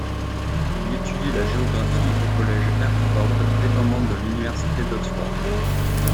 Il étudie la géographie au collège Hertford dépendant de l'université d'Oxford.